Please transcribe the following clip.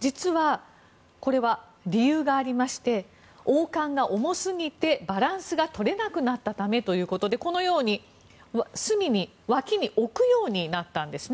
実は、これは理由がありまして王冠が重すぎてバランスが取れなくなったためでこのように脇に置くようになったんです。